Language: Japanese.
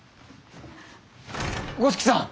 五色さん！